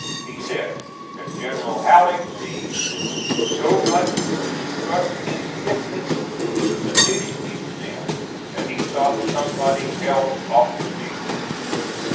He said that General Halleck seemed so much to distrust his fitness for the position he was in that he thought somebody else ought to be there.